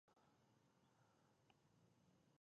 سترګې رڼا حس کوي.